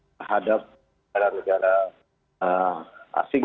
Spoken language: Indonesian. terhadap negara negara asing